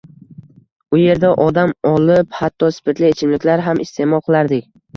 U yerda dam olib, hatto spirtli ichimliklar ham iste'mol qilardik